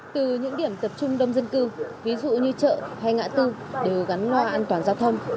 từ những điểm tập trung đông dân cư ví dụ như chợ hay ngã tư đều gắn loa an toàn giao thông